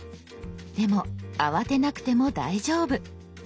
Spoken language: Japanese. でも慌てなくても大丈夫。